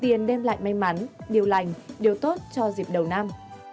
tiền đem lại may mắn điều lành điều tốt cho dịp đầu năm